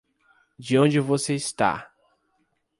De onde você está?